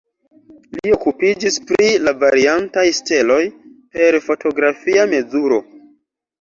Li okupiĝis pri la variantaj steloj per fotografia mezuro.